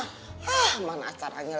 hah mana acaranya